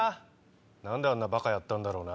何であんなバカやったんだろうな。